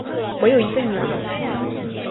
我有一个女儿